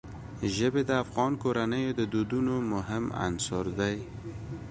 ژبې د افغان کورنیو د دودونو مهم عنصر دی.